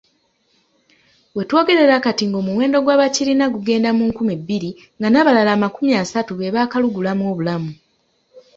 We twogerera kati ng'omuwendo gw'abakirina gugenda mu nkumi bbiri nga n'abalala amakumi asatu be baakalugulamu obulamu.